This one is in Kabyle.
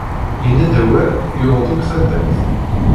Yenna-d awal, yuɣ-d akk taddart.